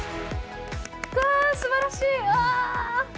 すばらしい。